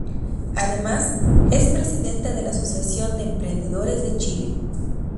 Además, es Presidenta de la Asociación de Emprendedores de Chile.